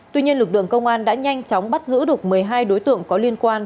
tuy nhiên lực lượng công an đã nhanh chóng bắt giữ được một mươi hai đối tượng có liên quan